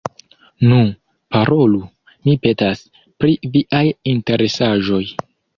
Nu, parolu, mi petas, pri viaj interesaĵoj.